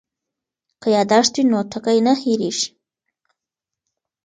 که یادښت وي نو ټکی نه هېریږي.